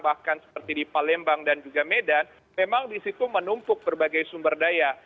bahkan seperti di palembang dan juga medan memang di situ menumpuk berbagai sumber daya